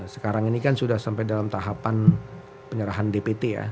sekarang ini kan sudah sampai dalam tahapan penyerahan dpt ya